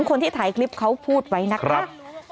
คนที่ถ่ายคลิปเขาพูดไว้นะครับ